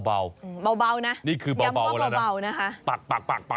เบานะยังว่าเบานะคะ